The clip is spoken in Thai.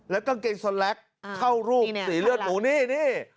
แล้วก็เกงสลักเข้ารูปสีเลือดหมูนี่นี่